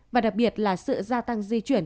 và đặc biệt là sự gia tăng di chuyển